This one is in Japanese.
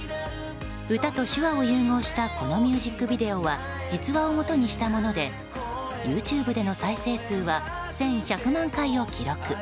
歌と手話を融合したこのミュージックビデオは実話をもとにしたものでＹｏｕＴｕｂｅでの再生数は１１００万回を記録。